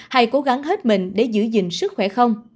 hay cố gắng hết mình để giữ gìn sức khỏe không